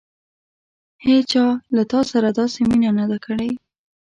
هېڅچا له تا سره داسې مینه نه ده کړې.